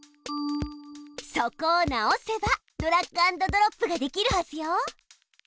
そこを直せばドラッグアンドドロップができるはずよ。